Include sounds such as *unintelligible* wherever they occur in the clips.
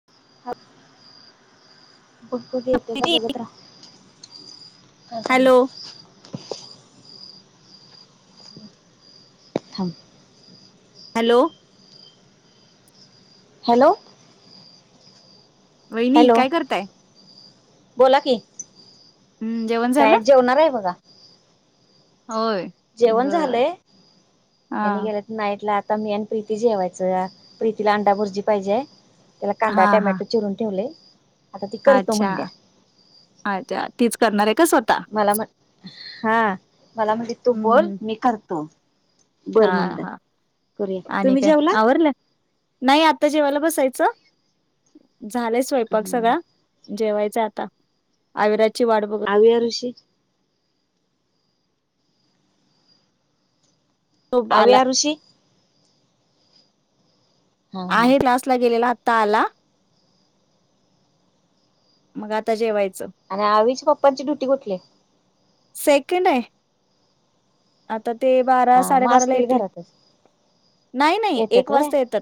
*unintelligible* बघ ब येते का किती बघत रहा काय झालं. हॅलो थांब. हॅलो. हॅलो. वहिणी हॅलो काय करताय? बोला की हम्म जेवण झालं काय जेवणार आहे बघा. होय. जेवण बर झालंय हा हेनी गेलात. नाईटला आता मी आणि प्रीतीची जेवायचं प्रीतीला अंडा भुरजी पाहिजे. त्याला कांदा हा हा टमॅटो चिरून ठेवले. आता ती करतो अच्छा म्हणल्या अच्छा तीच करणार आहे का स्व मला म्ह हा मला म्हट तू हम्म बोल हम्म मी करतो. हा बरं म्हणलं हा करूया आणि तुम्ही काय जेवला. आवरलं नाही आता जेवायला बसायचं झालंय स्वयंपाक हं. सगळा. जेवायच आता आविराजची वाट बघ आवि ओर, ऋषी. तो आवि आला आर ऋषी. हा हा आहे क्लसला गेलेला आत्ता आला. मग आता जेवायचं. आणि आवीच्या पप्पांची ड्युटी कुठली? सेकंड आहे आता ते बारा हा मग साडेबारा ला असतील येतील. घरातच नाही नाही येतात एक वय वाजता येतात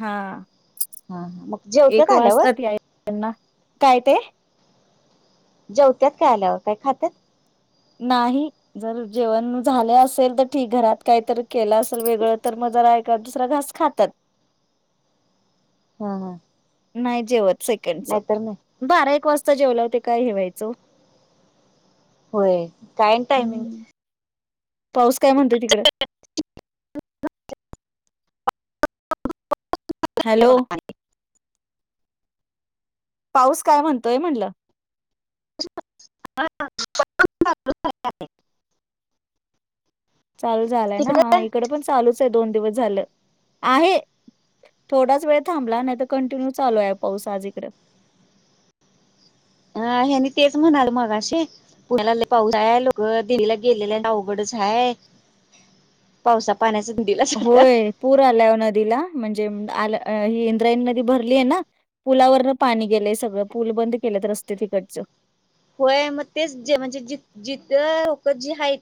हा. हा ह मग जेवत्यात एक आल्यावर वाजतात या त्यांना काय ते जवत्यात काय आल्यावर काय खात्यात? नाही. जर जेवण झाले असेल तर ठीक घरात काहीतरी केलं असेल वेगळं तर मग जरा एक एखाद दुसरा घास खातात. हा हा. नाही जेवत सेकंडच नाहीतर नाही बारा एक वाजता जेवल ते काय हेवायचं. होय काय टायमिंग हम्म पाऊस काय म्हणतोय तिकड? हॅलो पाऊस काय म्हणतोय म्हटलं? हा *inaudible* चालू झालंय ना हा तिकडं इकड पण चालूच आहे दोन दिवस झालं आहे थोडाच वेळ थांबला नाही तर कंटिन्यू चालू आहे पाऊस आज इकडें ह हेनी तेच म्हणाल मगाशीे पुण्याला पाऊस हाय म्हणं ग लोक दिलीला गेलेलयच् आवघडच कया पावसा पाण्याच *inaudible* होय पूर आला नदीला म्हणजे आ ही इंद्रायणी नदी भरली आहे ना पुलावरन पाणी गेलंय सगळं पुूल बंद केले रस्ते तिकटचं होय मग तेच जे म्हणजे ज जिथ लोक जी हाईत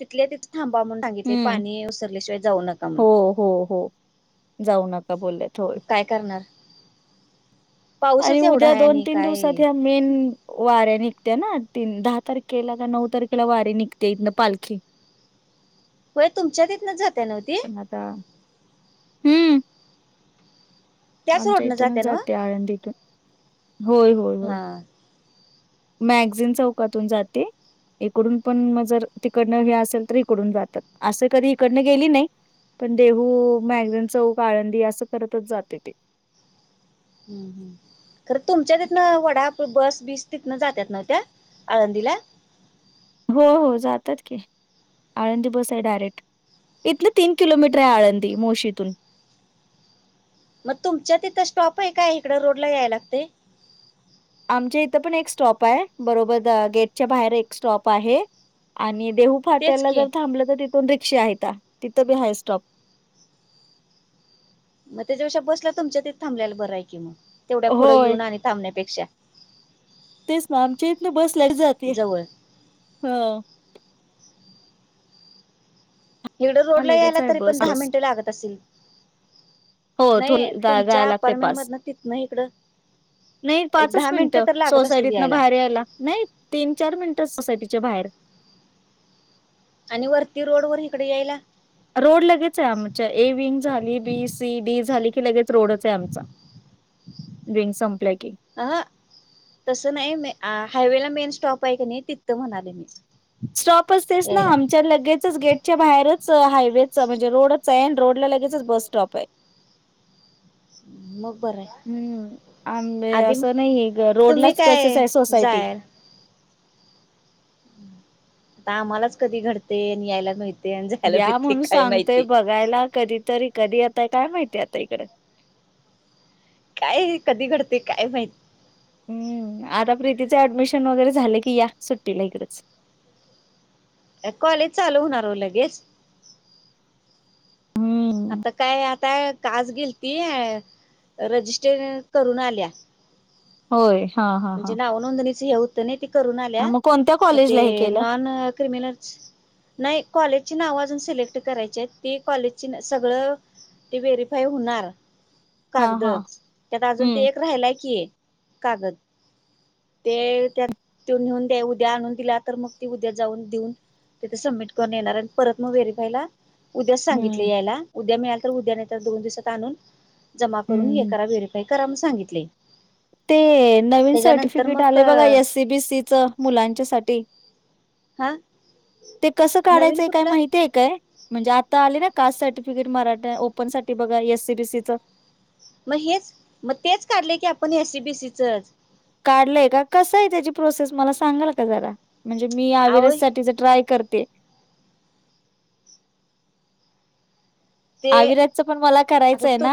तिथले त थांबा म्हणून सांगितले हम्म पाणी वसरल्याशिवाय जाऊ नका म्हणून हो, हो हो जाऊ नका बोललेत् काय करणार आणि पाऊसच एवढा उद्या आहे दोन आणि तीन काय दिवसात ह्या मेन वाऱ्या निघत्या ना तीन दहा तारखेला का नऊ तारखेला वारि निघते इथनं पालखी. होय तुमच्या तिथनच जाते नव्ह ती पण आता हम्म त्याच आमच्या रोडनं इथूनच जात्या नव्ह जाते आळंदीतून होय हो हा मॅगझीन चौकातून जाते. इकडून पण मग जर तिकडनं हे असेल तर इकडून जातात असं कधी इकडनं गेली नाही पण देहू मॅगझन चौक आळंदी असं करतच जाते ते हम् हम्म खरं तुमच्या तिथनं वडाप् बस बीस तिथनं जातात न त्या आळंदीला हो हो जातात की आळंदी बस आहे डायरेक्ट इथन् तीन किलोमीटर आहे आळंदी मुळशितुन मग तुमच्या तिथं स्टॉप आहे काय इकडं रोडला यायला लागतय. आमच्या इथं पण एक स्टॉप आहे बरोबर द गेटच्या बाहेर एक स्टॉप आहे. आणि देहू तेच फाट्याला की जर थांबलं तर तिथून रिक्षा आहेत तिथं बी हाय स्टॉप मग त्याच्यापेक्षा बसला तुमच्या तिथ थबल्याला बरं आहे की मग तेवढ्या पुढ होय येऊन आणि थांबण्यापेक्षा तेच ना आमच्या इथन बस लेट जातीया जवळ ह हिगडं रोड ला लगेच यायला आहे तरी पण बस दहा बस. मिनिटं लागत असतील. हो थो नाही जायला तुमच्या लागते अपार्टमेंट पाच मधन तिथ ना इकडं नाही एक पाचच दहा मिनिटं तर लागत असतील सोसायटीतन बाहेर यायला नाही तीन चार मिनिट सोसायटीच्या बाहेर आणि वरती रोड वर इिकडे यायला रोड लगेच आहे आमच्या ए विंग झाली बी सी डी झाली की लगेच रोडच आहे आमचा विंग संपलं की अ तसं नाही म हायवे ला मेन स्टॉप आहे कि नाही तिथ म्हणाले मी स्टॉप असतेस ना यायला आमच्या लगेचच् गेटच्या बाहेरच हायवेच म्हणजे रोड *inaudible* रोड ला लगेच बस स्टॉप आहे मग बरं हाय हम्म आ असं नाही रोडला तुम्ही तचच काय आहे सोसायटी जायल आता आम्हालाच कधी घडते आणि यायला मिळते आणि जायला मिळते काय माहिती जायला कधीतरी कधी यताय काय माहितीय आता इकड काय हे कधी घडतय काय माहित हम्म आता प्रीतीचं ऍडमिशन वगैरे झाले की या सुट्टीला इकडच अ कॉलेज चालू होणार हो लगेच हम्म आता काय आता आज गेल ती रजिस्टर करून आल्या होय हा हा म्हणजे हा नाव नोंदणीच हे होत नाही ते करून हा आल्या मग कोणत्या म ते कॉलेजला हे केलं नॉन क्रिमिनल नाही कॉलेजची नाव अजून सिलेक्ट करायची आहेत तेी कॉलेजची सगळं ती व्हेरीफाय होणार. हा कागद हा त्यात अजून ते हम्म एक राहीलाय की कागद ते त्यात त नेऊन द्या उद्या आणून दिल्या तर मग ती उद्या जाऊन देऊन. तिथ सबमिट करून येणार आणि परत मग व्हेरीफायला उद्याच सांगितले हम्म यायला उद्या मिळाल तर उद्या नाही तर दोन दिवसात आणून जमा करून हे हम्म करा व्हेरीफाय करा म सांगितले. ते नवीन त्याच्यानंतर सर्टिफिकेट मग आले बघा एससीबीसीचं मुलांच्या साठी. हा *inaudible* ते कसं नवीन काढायचंय काय कुठलं माहिती आहे काय? म्हणजे आता आले ना कास्ट सर्टिफिकेट मराठ ओपन साठी बघा एसीबीसी चं म हेच म तेच काढले की आपण एस सी बीसीचंच. काढलंय का कसं आहे त्याची प्रोसेस मला सांगाल का जरा. म्हणजे मी आहो आविरससाठीठीच ट्राय करते. ते आविराजचं पण मला आता करायचंय तू ना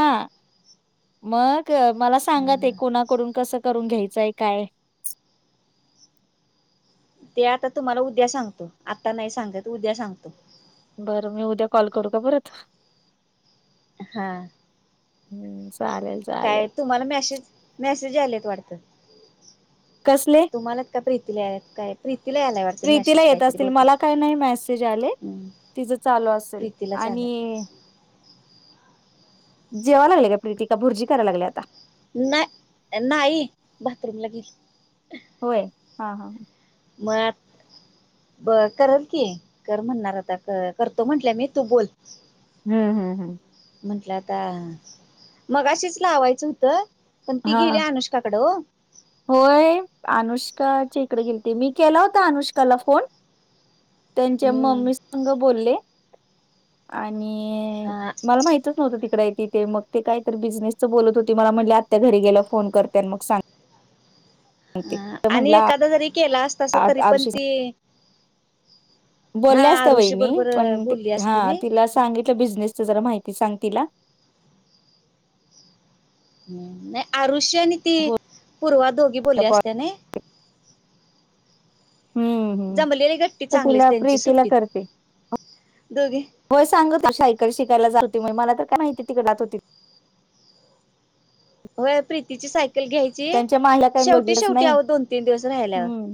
मग मला सांगत आहे कोणा करून कसं करून घ्यायचंय काय ते आता तुम्हाला उद्या सांगतो आत्ता नाही सांगा उद्या सांगतो. बरं मी उद्या कॉल करू का परत हा हम्म चालेल *inaudible* चालेल. काय. तुम्हाला मॅसेज मेसेज यायलेत वाटतं. *inaudible* कसले. तुम्हाला का प्रीती काय प्रीतीला आलाय वाटत. प्रीतीला येत असतील मला काय नाही मेसेज आले. हम्म, तिचं चालू असेल प्रीतीलाच आणि आलाय जेवाय लागले का प्रीतिका भुजी करायला लागली आता. नाही *inaudible* नाही बाथरूमला गेली. होय *inaudible* हा हा. म *inaudible* ब करल की कर म्हणणार आता करतो म्हंटलं मी तू बोल हम्म हम्म हम्म. म्हंटलं आता मग अशीच लावायचं होतं पण ती गेली हा अनुष् तकडो होय अनुष्काच्या इकडे गेलीती मी केला होता अनुष्काला फोन. त्यांच्या हम्म, मम्मी संग बोले. *inaudible* आणि हा, मला माहितच नव्हतं तिकड आहे ते. ते मग ते काय तर बिझनेसचं बोलत होते मला म्हटले आत्या घरी गेल्यावर फोन करते आणि मग सांगते ह तर आणि म्हटलं एखादा जरी केला अस तस तरी पण आरुषी ते बोलल्या अस त्या आरुषी वहिणी बरोबर पण बोलली असती हा नाही तिला सांगितलं बिझनेसच जरा माहिती सांग तिला नाही आरुष्य आणि ती हो पूर्वा दोघी बोलल्या कॉल असत नाही. हम्म हम्म जमलेली गट्टी तर चांगलीच तिला त्यांची प्रीतीला सुट्टीत करते. दोघी *inaudible* होय सांगत शाईकडे शिकायला जाातते मला तर काय माहिती तिकडे जातो ते वय प्रीतीची सायकल घ्यायची त्यांच्या माहिला काय मी शेवटी बघितलंच शेवटी नाही आव दोन तीन दिवस राहायल्या. हम्म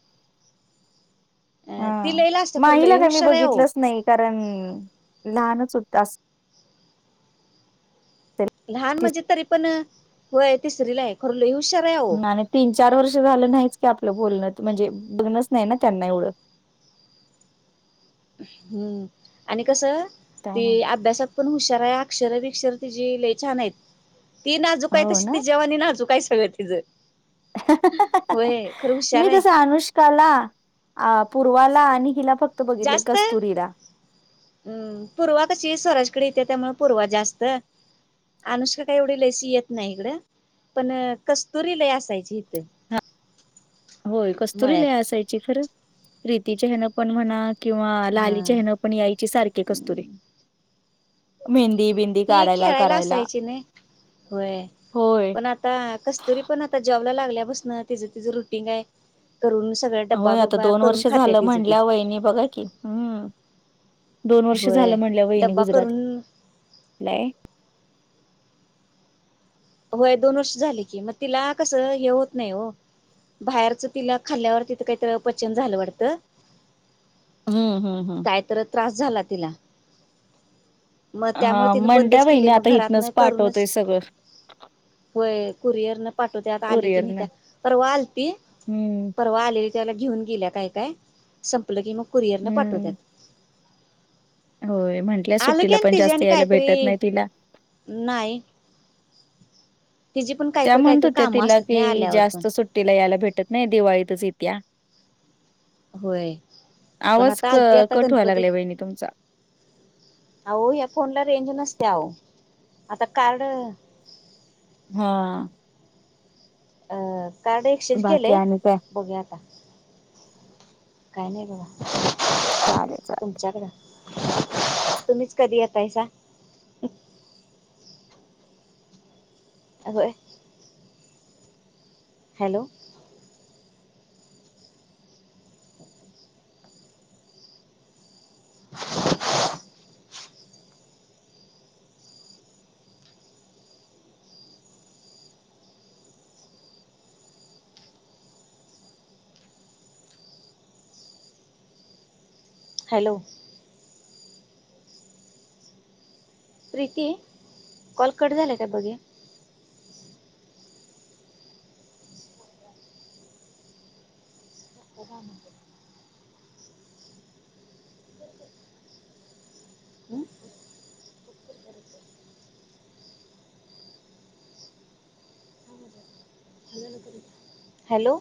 हा लाजत्या खरं माहीला लई काय मी हुशार आहे अहो बघितलंच नाही कारण लहानच होत अस लहान असेल म्हणजे तरी पण होय तिसरी ला आहे खर ल हुशार आहेह आणि तीन चार वर्ष झालं नाहीच की आपलं बोलण म्हणजे बघणच नाही ना त्यांना एवढं हम्म आणि कस ती त्यामुळे अभ्यासात पण हुशारा या अक्षर बिक्षर तिझी लले छान आहेत. ती नाजुक हाय हो तस ना तिच्या वानी नाजूक हाय सगळं तिच *unintelligible* मी कस आहे आनुष कला पूर्वाला आणि हिला फक्त बघितलंय जास्त, कस्तुरीला *inaudible* हम् पूर्वा कशी स्वराजकडे येते त्यामुळे पूर्वा जास्त अनुष्का काही एवढी लईशी येत नाही इकड पण कस्तुरी लई असायची इथं. होय कस्तुरी लई मळ्यात असायची खर, प्रीतीच्या ह्यानं पण म्हणा किंवा हा लालीच्या ह्यान पण यायची सारखी कस्तुरी ती मेहंदी बीन ती खेळायला असायची नाई, होय होय पण आ आता कस्तुरी पण आता, जॉबला लागल्या पासन तिच तिचं रुटीग हाय करून सगळं. हा ओ डब्बा आता बिब्बा दोन करून वर्ष खाते झालं, तिचं ती म्हणल्या वहिनी बघा कि हम्म दोन वर्ष झालं होय म्हटल्या, वहिणी डब्बा गुजरात करून ला हाय. व्हय दोन वर्ष झाले, की मग तिला कसं हे होत नाही ओ बाहेरच तिला खाल्ल्यावर, तिथं काहीतरी अपचन झालं वाटतं. हम्म हम हम्. काय तर त्रास झाला तिला मग त्यामुळे हा तिने म्हणल्या बंदच केली, वहिनी मग आता घरातन इथनच पाठवतोय करूनच सगळं व्हय कुरिअर न पाठवत्यात, आली की कुरिअरनं न्हेतिया परवा आलती, हम्म. परवा आलेली. त्याला घेऊन गेलीया काय काय? संपलं की, मग कुरिअर न हम्म पाठवत्यात. होय म्हटल्या, आलं की सुट्टीला आणि पण जास्त यायला भेटत नाही तिला नाई तिची पण त्या काहीतर म्हणत काहीतर होत्या कामं असत्यात, नाई की आल्यावर पण जास्त तिला सुट्टीला यायला भेटत नाही दिवाळीतच येतिया. होय पण आवाज आता क आलती आता कट व्हाय गणपतीत लागलाय वहिणी तुमचा अहो या फोनला रेंज नसते, आओ आता कार्ड हा. अ कार्ड एक्सचेंज बाकी केलंय आणि काय बघू या आता काय नाही बघा? चालेल चालेल. तुमच्याकड, तुम्हीच कधी येतायसा? चालू हाय. Hello. Hello. Preeti call cut झालाय, काय बघ ये. निवांत. हॅलो.